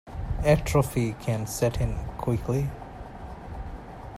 Atrophy can set in quickly.